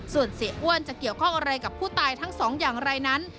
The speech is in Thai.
ส่วนเสียอ้วนจะเกี่ยวข้องอะไรกับผู้ตายทั้งสองอย่างไรนั้น